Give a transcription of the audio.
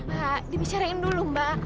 mbak dibicarain dulu mbak